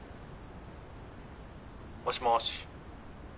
もしもし。